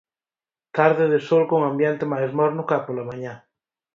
Tarde de sol con ambiente máis morno ca pola mañá.